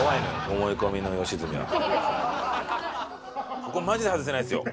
ここマジで外せないですよ